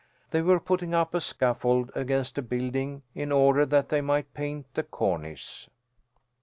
They were putting up a scaffold against a building, in order that they might paint the cornice.